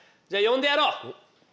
じゃあ呼んでやろう。